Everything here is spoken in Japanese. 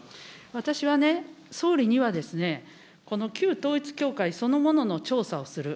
私はね、総理には、この旧統一教会そのものの調査をする。